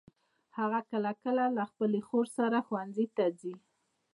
هغه کله کله د خپلي خور سره ښوونځي ته ځي.